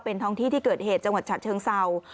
ท้องที่ที่เกิดเหตุจังหวัดฉะเชิงเศร้า